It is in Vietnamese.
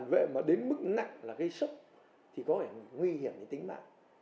phản vệ mà đến mức nặng là gây sốc thì có thể nguy hiểm đến tính mạng